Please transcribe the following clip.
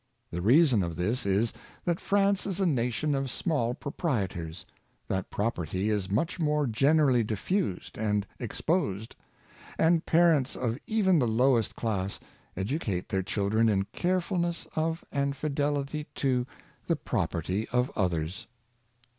The reason of this is, that France is a nation of small proprietors; that property is much more generally diffused and exposed; and parents of even the lowest class educate their children in careful ness of and fidelity to the property of others.